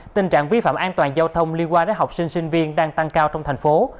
tình trạng vi phạm an toàn giao thông liên quan đến học sinh sinh viên đang tăng cao trong thành phố